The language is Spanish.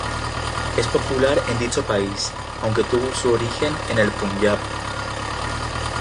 Es popular en dicho país, aunque tuvo su origen en el Punyab.